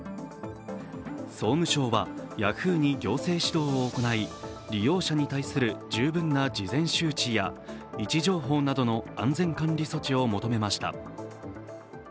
総務省はヤフーに行政指導を行い、利用者に対する十分な事前周知や位置情報などの完全監理措置を求めました。